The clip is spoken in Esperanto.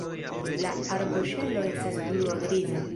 La arboŝelo estas blua-griza.